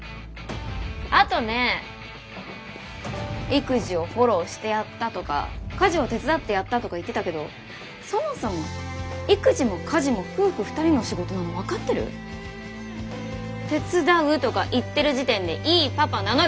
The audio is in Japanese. あとね育児をフォローしてやったとか家事を手伝ってやったとか言ってたけどそもそも育児も家事も夫婦２人の仕事なの分かってる？手伝うとか言ってる時点でいいパパ名乗る資格なし！